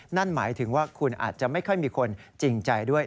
นั่นหมายถึงว่าคุณอาจจะไม่ค่อยมีคนจริงใจด้วย